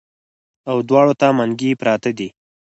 او دواړو ته منګي پراتۀ دي